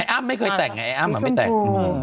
ไอ้อั๊มไม่เคยแต่งไงไอ้อั๊มอ่ะไม่แต่ง